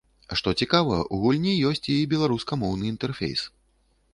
Што цікава, у гульні ёсць і беларускамоўны інтэрфейс.